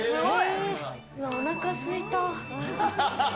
うわ、おなかすいた。